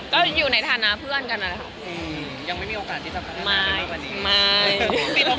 ก็อยู่ในฐานะเพื่อนกันอ่ะครับ